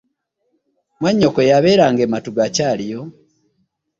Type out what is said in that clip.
Mwannyoko eyabeeranga e Matugga akyaliyo?